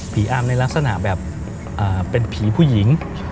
อำในลักษณะแบบเป็นผีผู้หญิง